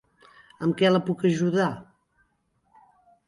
Amb què la puc ajudar?